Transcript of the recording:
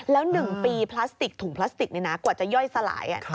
แล้ว๑ปีถุงพลาสติกกว่าจะย่อยสลาย